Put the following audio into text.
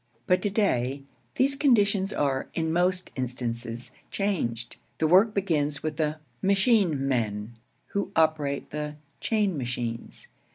But to day these conditions are, in most instances, changed. The work begins with the 'machine men,' who operate the 'chain machines.'